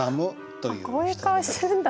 こういう顔してるんだ。